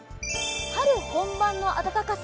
春本番の暖かさ